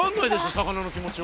魚の気持ちは。